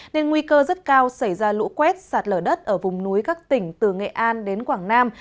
nên nguy cơ rất cao xảy ra lũ quét sạt lở đất ở vùng núi các tỉnh từ nghệ an đến quảng nam